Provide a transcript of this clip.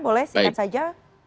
boleh singkat saja